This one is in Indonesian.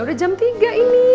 sudah jam tiga ini